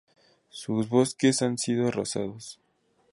Sus bosques han sido arrasados.